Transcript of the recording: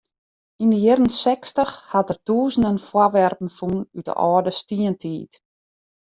Yn de jierren sechstich hat er tûzenen foarwerpen fûn út de âlde stientiid.